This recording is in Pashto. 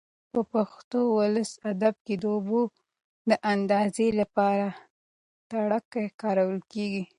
په پښتو ولسي ادب کې د اوبو د اندازې لپاره ترنګ کارول کېږي.